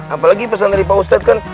apalagi pesan dari pak ustadz kan